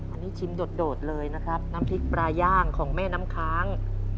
อันนี้ชิมโดดเลยนะครับน้ำพริกปลาย่างของแม่น้ำค้าง